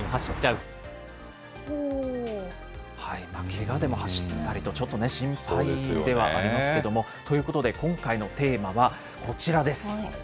けがでも走ったりと、ちょっとね、心配ではありますけれども。ということで、今回のテーマは、こちらです。